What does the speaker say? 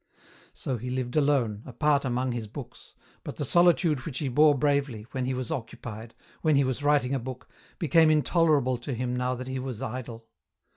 So he lived alone, apart among his books, but the solitude which he bore bravely, when he was occupied, when he was writing a book, became intolerable to him now that he was idle.